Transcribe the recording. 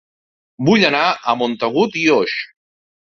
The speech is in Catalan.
Vull anar a Montagut i Oix